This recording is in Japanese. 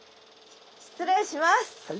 失礼します！